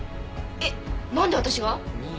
えっなんで私が？